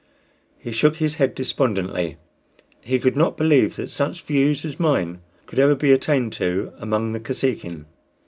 He shook his head despondently; he could not believe that such views as mine could ever be attained to among the Kosekin.